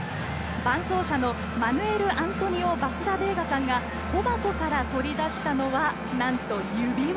伴走者のマヌエルアントニオ・バスダベイガさんが小箱から取り出したのはなんと指輪。